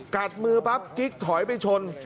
กัดมือปั๊บกิ๊กถอยไปชน